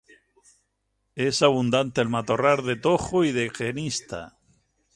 Es abundante el matorral de tojo y de genista.